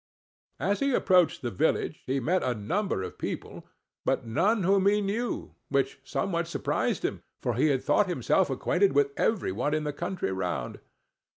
As he approached the village he met a number of people, but none whom he knew, which somewhat surprised him, for he had thought himself acquainted with every one in the country round.